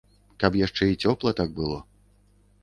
Каб яшчэ і цёпла так было.